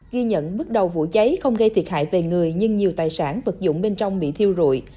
ghi nhận bước đầu vụ cháy không gây thiệt hại về người nhưng nhiều tài sản vật dụng bên trong bị thiêu rụi